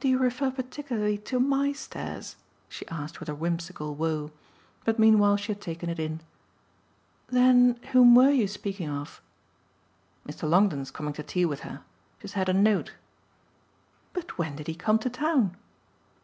"Do you refer particularly to MY stairs?" she asked with her whimsical woe. But meanwhile she had taken it in. "Then whom were you speaking of?" "Mr. Longdon's coming to tea with her. She has had a note." "But when did he come to town?"